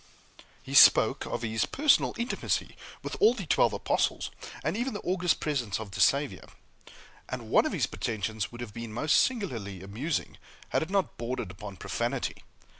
He spoke of his personal intimacy with all the twelve Apostles and even the august presence of the Savior; and one of his pretensions would have been most singularly amusing, had it not bordered upon profanity.